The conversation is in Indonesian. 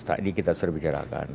setadi kita sudah bicarakan